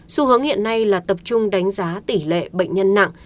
xu hướng hiện nay là tập trung đánh giá tỷ lệ bệnh nhân nặng